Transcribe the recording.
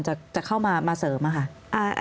จะเข้ามาเสริมค่ะ